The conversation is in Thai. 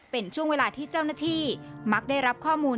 เป็นช่วงเวลาที่เจ้าหน้าที่มักได้รับข้อมูล